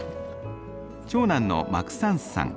長男のマクサンスさん。